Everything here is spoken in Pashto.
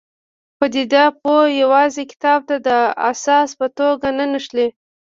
پدیده پوه یوازې کتاب ته د اساس په توګه نه نښلي.